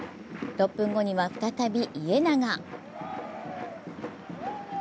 ６分後には再び家長。